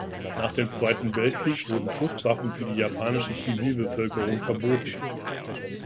Nach dem Zweiten Weltkrieg wurden Schusswaffen für die japanische Zivilbevölkerung verboten.